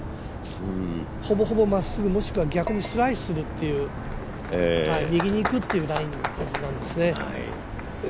ほぼほぼまっすぐ、もしくは逆にスライスするっていう右にいくっていうラインのはずなんですね。